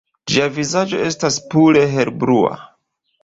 Ĝia vizaĝo estas pure helblua.